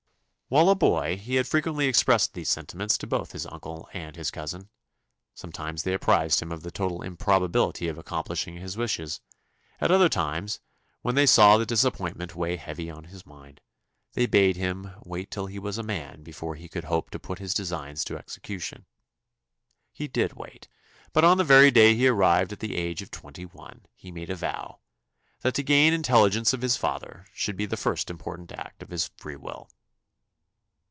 While a boy he had frequently expressed these sentiments to both his uncle and his cousin; sometimes they apprised him of the total improbability of accomplishing his wishes; at other times, when they saw the disappointment weigh heavy on his mind, they bade him "wait till he was a man before he could hope to put his designs in execution." He did wait. But on the very day he arrived at the age of twenty one, he made a vow "that to gain intelligence of his father should be the first important act of his free will."